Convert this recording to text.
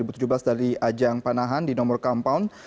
sea games dua ribu tujuh belas dari ajang panahan di nomor kampung